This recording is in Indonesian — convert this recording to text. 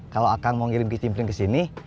kalau akang mau ngirim kc pring ke sini